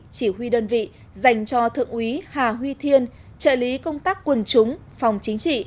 chỉ huy đơn vị dành cho thượng úy hà huy thiên trợ lý công tác quần chúng phòng chính trị